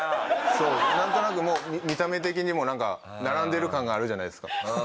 そうなんとなくもう見た目的にもなんか並んでる感があるじゃないですか。